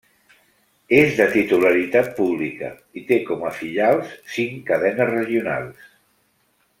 És de titularitat pública i té com a filials cinc cadenes regionals.